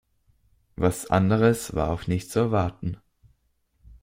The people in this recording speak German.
Was anderes war auch nicht zu erwarten.